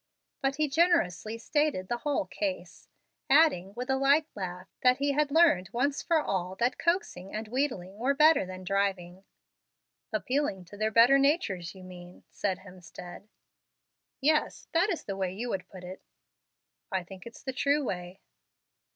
But he generously stated the whole case, adding, with a light laugh, that he had learned once for all that coaxing and wheedling were better than driving. "Appealing to their better natures, you mean," said Hemstead. "Yes, that is the way you would put it." "I think it's the true way."